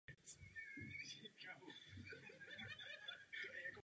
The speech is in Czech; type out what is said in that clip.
Je to sukulentní vytrvalá bylina se žlutými pětičetnými květy.